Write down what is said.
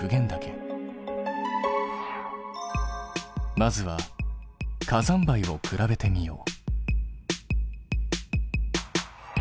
まずは火山灰を比べてみよう。